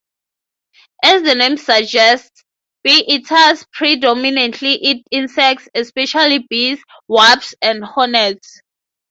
As the name suggests, bee-eaters predominantly eat insects, especially bees, wasps, and hornets.